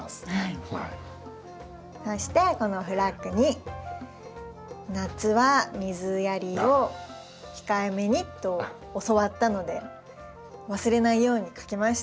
そしてこのフラッグに「夏は水やりを控えめに」と教わったので忘れないように書きました。